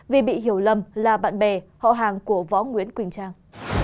vì bị hiểu lâm là bạn bè họ hàng của võ nguyễn quỳnh trang